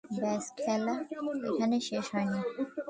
ব্যস, খেলা এখনো শেষ হয়নি।